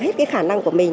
hết cái khả năng của mình